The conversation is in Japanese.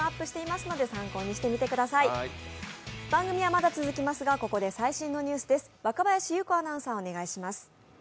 番組はまだ続きますが、ここで最新のニュースです。